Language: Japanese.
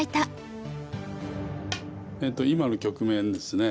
今の局面ですね